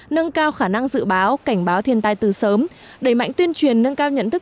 nâng cao khả năng dự báo cảnh báo thiên tai từ sớm đẩy mạnh tuyên truyền nâng cao nhận thức